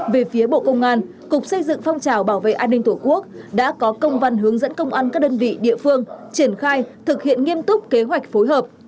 về phía bộ công an cục xây dựng phong trào bảo vệ an ninh tổ quốc đã có công văn hướng dẫn công an các đơn vị địa phương triển khai thực hiện nghiêm túc kế hoạch phối hợp